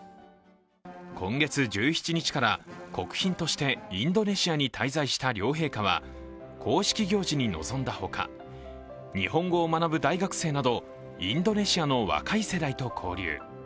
今月１７日から、国賓としてインドネシアに滞在した両陛下は、公式行事に臨んだほか日本語を学ぶ大学生などインドネシアの若い世代と交流。